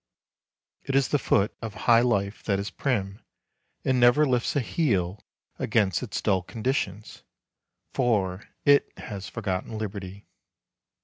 It is the foot of high life that is prim, and never lifts a heel against its dull conditions, for it has forgotten liberty.